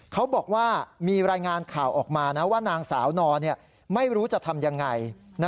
เขาบอกว่ามีรายงานข่าวออกมาว่านางสาวนอไม่รู้จะทำยังไง